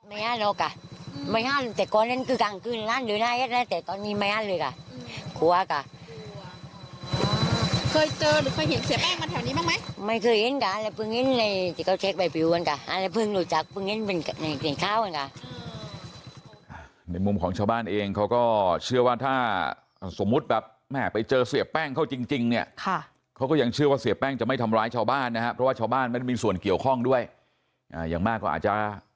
อ่าเคยเจอหรือเคยเห็นเสียแป้งมาแถวนี้บ้างไหมไม่เคยเห็นค่ะอันแหละเพิ่งเห็นในที่เขาเช็คใบผิวอ่ะอันแหละเพิ่งหลุดจากเพิ่งเห็นเป็นในข่าวอ่ะค่ะในมุมของชาวบ้านเองเขาก็เชื่อว่าถ้าสมมุติแบบแม่ไปเจอเสียแป้งเขาจริงจริงเนี้ยค่ะเขาก็ยังเชื่อว่าเสียแป้งจะไม่ทำร้ายช